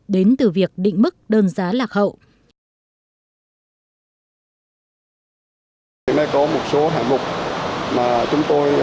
đến từ việc định mức đơn giá lạc hậu